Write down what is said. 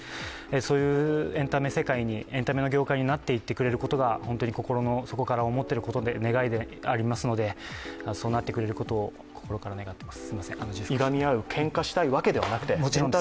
そういうエンタメの業界になっていってくれることが、心の底から思っていることで、願いでありますのでそうなってくれることを心から思っています。